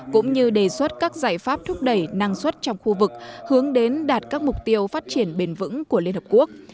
cũng như đề xuất các giải pháp thúc đẩy năng suất trong khu vực hướng đến đạt các mục tiêu phát triển bền vững của liên hợp quốc